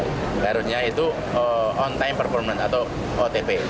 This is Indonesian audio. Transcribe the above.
seharusnya itu on time performance atau otp